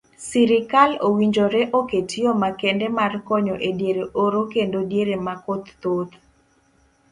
Sirikal owinjore oket yoo makende mar konyo ediere oro kendo diere ma koth thoth.